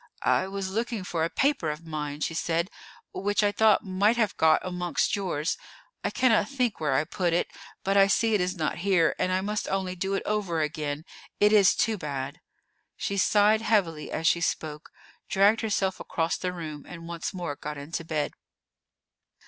"I was looking for a paper of mine," she said, "which I thought might have got amongst yours. I cannot think where I put it; but I see it is not here, and I must only do it over again. It is too bad." She sighed heavily as she spoke, dragged herself across the room, and once more got into bed.